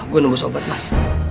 gue nunggu sobat mas